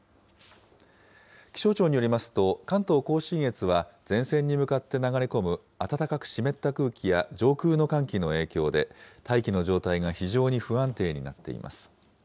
気象庁によりますと、関東甲信越は、前線に向かって流れ込む暖かく湿った空気や上空の寒気の影響で、大気の状態が非常に不安定になっています。